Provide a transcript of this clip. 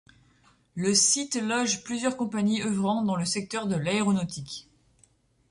Le site loge plusieurs compagnies œuvrant dans le secteur de l'aéronautique.